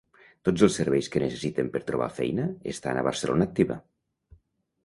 Tots els serveis que necessiten per trobar feina estan a Barcelona Activa.